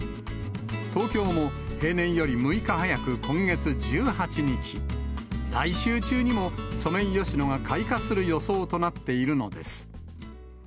東京も平年より６日早く今月１８日、来週中にもソメイヨシノが開花する予想となっているのです。